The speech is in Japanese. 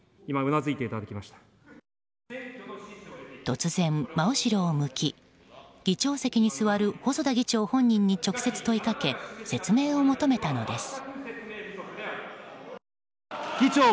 突然、真後ろを向き議長席に座る細田議長本人に直接問いかけ説明を求めたのです。